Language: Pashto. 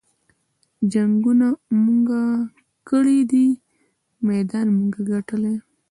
جنګــــونه مونږه کـــــــــړي دي مېدان مونږه ګټلے